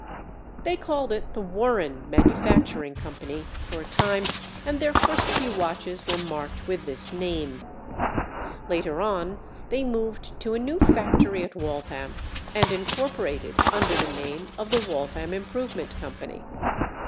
They called it the "Warren Manufacturing Company" for a time, and their first few watches were marked with this name. Later on, they moved to a new factory at Waltham and incorporated under the name of the Waltham Improvement Company.